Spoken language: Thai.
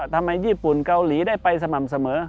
ทำไมญี่ปุ่นเกาหลีได้ไปสม่ำเสมอ